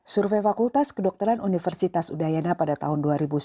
survei fakultas kedokteran universitas udayana pada tahun dua ribu sepuluh